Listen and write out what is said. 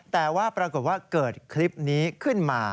แต่ว่าปรากฏว่าเกิดคลิปนี้ขึ้นมา